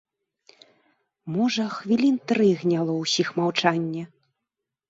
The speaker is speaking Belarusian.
Можа, хвілін тры гняло ўсіх маўчанне.